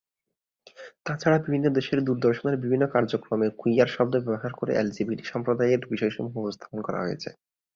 তাছাড়া বিভিন্ন দেশের দূরদর্শনের বিভিন্ন কার্যক্রমে কুইয়ার শব্দ ব্যবহার করে এলজিবিটি সম্প্রদায়ের বিষয়সমূহ উপস্থাপন করা হয়েছে।